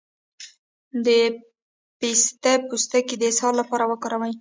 د پسته پوستکی د اسهال لپاره وکاروئ